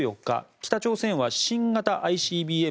北朝鮮は新型ＩＣＢＭ